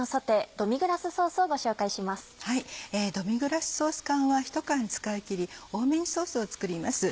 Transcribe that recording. ドミグラスソース缶は１缶使い切り多めにソースを作ります。